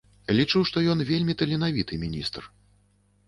Лічу, што ён вельмі таленавіты міністр.